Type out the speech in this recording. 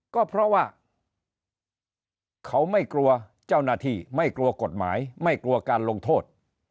ก็เพราะว่าเขาไม่กลัวเจ้าหน้าที่ไม่กลัวกฎหมายไม่กลัวการลงโทษ